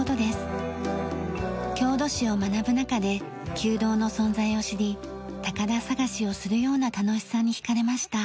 郷土史を学ぶ中で旧道の存在を知り宝探しをするような楽しさに惹かれました。